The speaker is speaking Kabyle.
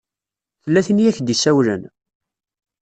Tella tin i ak-d-isawlen?